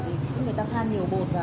không hiểu người ta kha nhiều bột vào